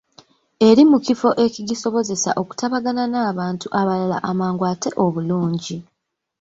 Eri mu kifo ekigisobozesa okutabagana n’abantu abalala amangu ate obulungi.